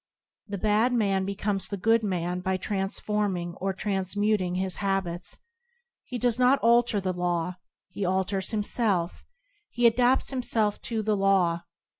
The bad man becomes the good man by trans forming or transmuting his habits. He does not alter the law; he alters himself; he adapts himself to the law.